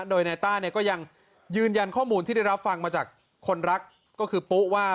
โดยนายต้าเนี่ยก็ยังยืนยันข้อมูลที่ได้รับฟังมาจากคนรักก็คือปุ๊ว่า